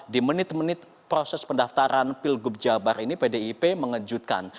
di menit menit proses pendaftaran pilgub jabar ini pdip mengejutkan